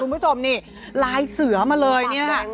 คุณผู้ชมนี่ลายเสือมาเลยเนี่ยค่ะ